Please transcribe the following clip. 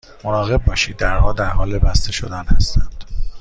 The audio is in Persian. مراقب باشید، درها در حال بسته شدن هستند.